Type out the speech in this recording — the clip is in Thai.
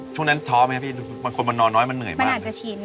ช่วงนั้นท้อมั้ยครับพี่มันคนไหนนอนน้อยมันเหนื่อยมั้ง